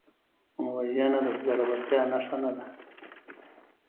وژنه د زړورتیا نښه نه ده